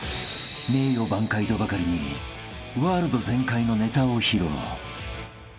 ［名誉挽回とばかりにワールド全開のネタを披露］